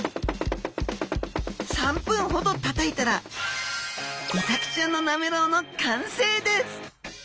３分ほど叩いたらイサキちゃんのなめろうの完成です！